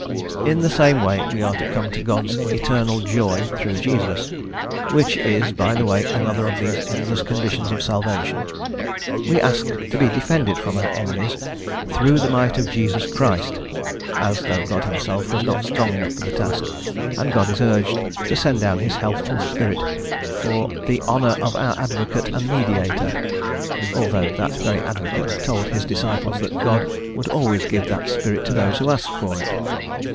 In the same way we are to come to God's "eternal joy," through Jesus, which is, by the way, another of these endless conditions of salvation. We ask to be defended from our enemies "through the might of Jesus Christ," as though God Himself was not strong enough for the task; and God is urged to send down His healthful Spirit for the "honour of our advocate and Mediator," although that very advocate told His disciples that God would always give that spirit to those who asked for it.